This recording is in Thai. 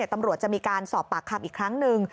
ตำรวจจะมีการสอบปากคำอีกครั้งหนึ่ง